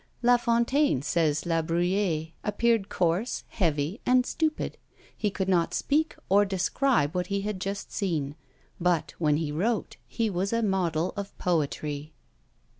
La Fontaine, says La Bruyère, appeared coarse, heavy, and stupid; he could not speak or describe what he had just seen; but when he wrote he was a model of poetry.